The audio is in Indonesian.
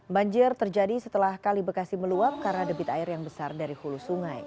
banjir terjadi setelah kali bekasi meluap karena debit air yang besar dari hulu sungai